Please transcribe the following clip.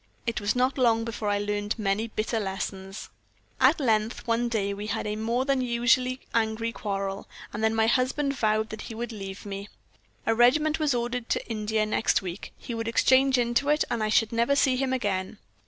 It was not long before I learned many bitter lessons. "At length one day we had a more than usually angry quarrel, and then my husband vowed that he would leave me. A regiment was ordered to India next week; he would exchange into it, and I should never see him again.